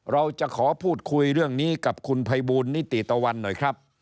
เราจะขอพูดคุยเรื่องนี้กับคุณภัยบูลนิติตะวันหน่อยครับ